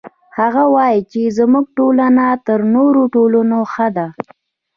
هغه وایي چې زموږ ټولنه تر نورو ټولنو ښه ده